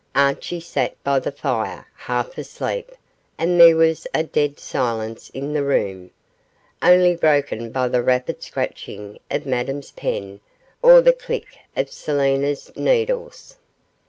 Archie sat by the fire, half asleep, and there was a dead silence in the room, only broken by the rapid scratching of Madame's pen or the click of Selina's needles.